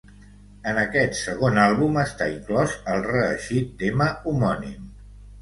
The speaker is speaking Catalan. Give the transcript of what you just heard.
En aquest segon àlbum, està inclòs el reeixit tema homònim.